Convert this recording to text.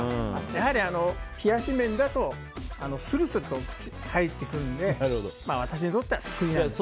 やはり、冷やし麺だとするすると入っていくので私にとっては救いなんです。